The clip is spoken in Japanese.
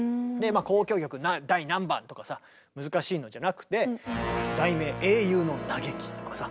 交響曲第何番とかさ難しいのじゃなくて題名「英雄の嘆き」とかさ。